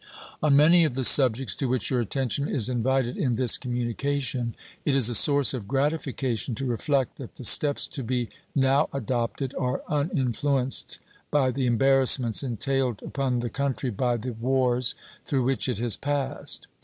On many of the subjects to which your attention is invited in this communication it is a source of gratification to reflect that the steps to be now adopted are uninfluenced by the embarrassments entailed upon the country by the wars through which it has passed.